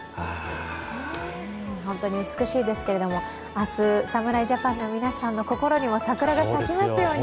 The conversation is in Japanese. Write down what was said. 本当に美しいですけれども、明日、侍ジャパンの皆さんにも心にも桜が咲きますように。